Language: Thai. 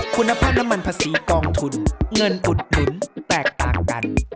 คุณภาพน้ำมันภาษีกองทุนเงินอุดหนุนแตกต่างกัน